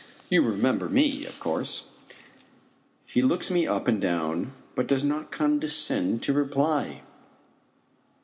You remember me, of course?" He looks me up and down but does not condescend to reply.